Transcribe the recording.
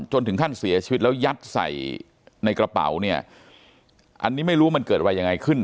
ถึงขั้นเสียชีวิตแล้วยัดใส่ในกระเป๋าเนี่ยอันนี้ไม่รู้ว่ามันเกิดอะไรยังไงขึ้น